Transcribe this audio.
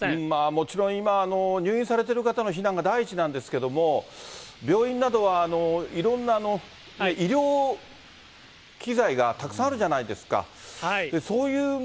もちろん今、入院されてる方の避難が第一なんですけれども、病院などはいろんな医療機材がたくさんあるじゃないですか。